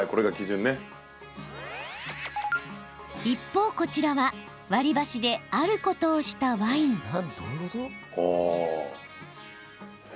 一方、こちらは割り箸であることをしたワイン。